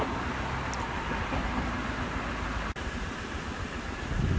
นี่